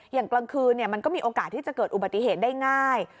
อย่างกลางคืนมันก็มีโอกาสที่จะเกิดอุบัติเหตุได้ง่าย